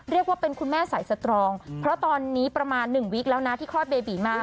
เรียกว่าเป็นคุณแม่สายสตรองเพราะตอนนี้ประมาณ๑วิกแล้วนะที่คลอดเบบีมา